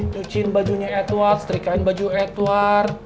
cuciin bajunya edward setrikain baju edward